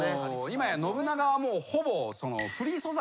今や信長はほぼ。